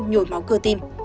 nhồi máu cơ tim